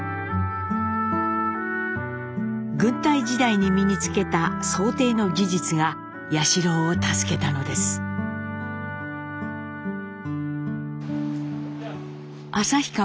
軍隊時代に身につけた装ていの技術が彌四郎を助けたのです。